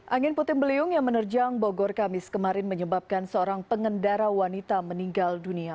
angin puting beliung yang menerjang bogor kamis kemarin menyebabkan seorang pengendara wanita meninggal dunia